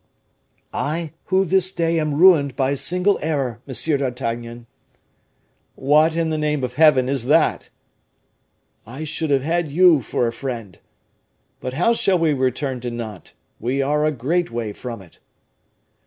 "I, who this day am ruined by a single error, M. d'Artagnan." "What, in the name of Heaven, is that?" "I should have had you for a friend! But how shall we return to Nantes? We are a great way from it."